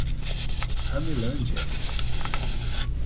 Ramilândia